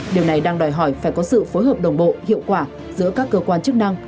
điều này đang đòi hỏi phải có sự phối hợp đồng bộ hiệu quả giữa các cơ quan chức năng